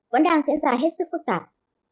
vẫn đang diễn ra hết sức phức tạp